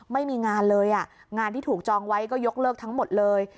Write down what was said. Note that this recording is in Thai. ไม่มีงานเลยอ่ะงานที่ถูกจองไว้ก็ยกเลิกทั้งหมดเลย